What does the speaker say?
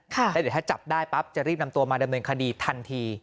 แล้วเดี๋ยวถ้าจับได้ปั๊บจะรีบนำตัวมาดำเนินคดีทันที